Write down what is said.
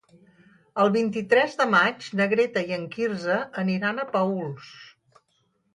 El vint-i-tres de maig na Greta i en Quirze aniran a Paüls.